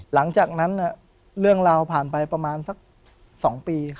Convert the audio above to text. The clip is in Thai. หลังจากนั้นเรื่องราวผ่านไปประมาณสัก๒ปี